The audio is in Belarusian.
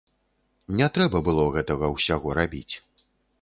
Не трэба было гэтага ўсяго рабіць!